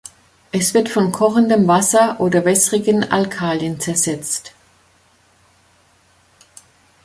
Es wird von kochendem Wasser oder wässrigen Alkalien zersetzt.